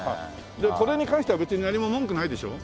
でこれに関しては別に何も文句ないでしょ？